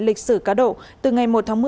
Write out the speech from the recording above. lịch sử cá độ từ ngày một tháng một mươi